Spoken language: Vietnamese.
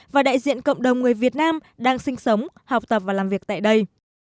và đại diện cộng đồng người việt nam đang sinh sống học tập và làm việc tại đây